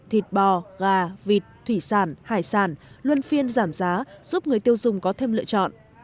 thịt bò gà vịt thủy sản hải sản luân phiên giảm giá giúp người tiêu dùng có thêm lựa chọn